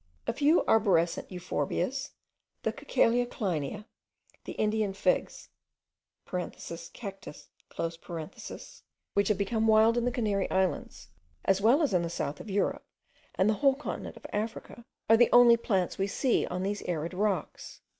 A few arborescent Euphorbias, the Cacalia Kleinia, and Indian figs (Cactus), which have become wild in the Canary Islands, as well as in the south of Europe and the whole continent of Africa, are the only plants we see on these arid rocks.